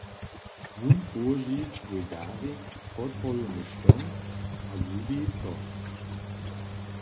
Wón połoži swój darik pod hodowny štom a zhubi so.